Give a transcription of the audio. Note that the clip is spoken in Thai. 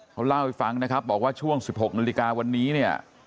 เขาเล่าให้ฟังนะครับบอกว่าช่วง๑๖นาฬิกาวันนี้เนี่ย